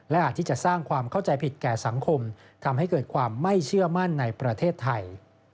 อาจที่จะสร้างความเข้าใจผิดแก่สังคมทำให้เกิดความไม่เชื่อมั่นในประเทศไทย